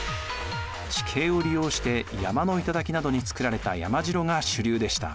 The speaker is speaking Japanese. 地形を利用して山の頂などに造られた山城が主流でした。